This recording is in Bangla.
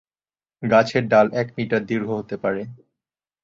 গাছের ডাল এক মিটার দীর্ঘ হতে পারে।